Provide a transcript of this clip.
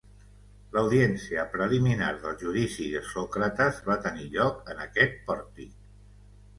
L'audiència preliminar del judici de Sòcrates va tenir lloc en aquest pòrtic.